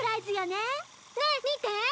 ねえ見て！